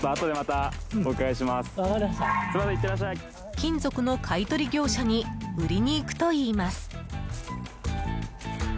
金属の買い取り業者に売りにいくといいます。